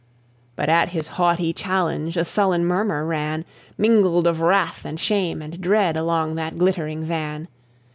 But at his haughty challenge A sullen murmur ran, Mingled of wrath, and shame, and dread, Along that glittering van.